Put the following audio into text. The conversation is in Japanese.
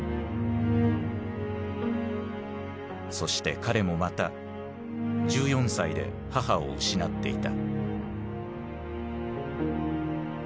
そして彼もまた１４歳で母を失っていた。